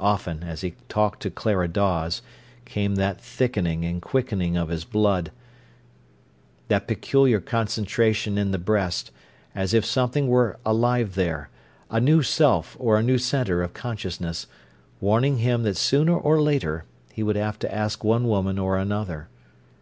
Often, as he talked to Clara Dawes, came that thickening and quickening of his blood, that peculiar concentration in the breast, as if something were alive there, a new self or a new centre of consciousness, warning him that sooner or later he would have to ask one woman or another.